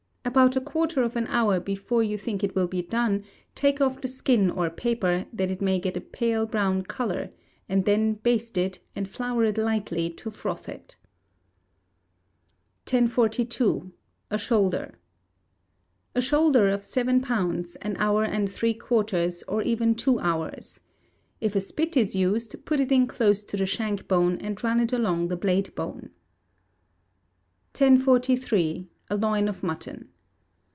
About a quarter of an hour before you think it will be done, take off the skin or paper, that it may get a pale brown colour, and then baste it, and flour it lightly to froth it. 1042. A Shoulder. A shoulder, of seven pounds, an hour and three quarters, or even two hours. If a spit is used, put it in close to the shank bone, and run it along the blade bone. 1043. A Loin of Mutton.